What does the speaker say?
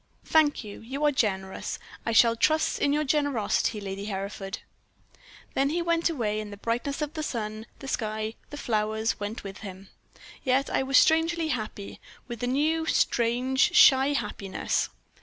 "'Thank you; you are generous. I shall trust in your generosity, Lady Hereford.' "Then he went away, and the brightness of the sun, the sky, the flowers, went with him. Yet I was strangely happy, with a new, strange, shy happiness.